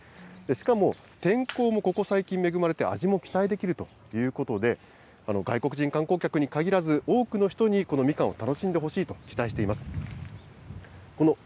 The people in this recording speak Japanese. しかも天候もここ最近恵まれて味も期待できるということで、外国人観光客に限らず、多くの人にこのみかんを楽しんでほしいと期待しています。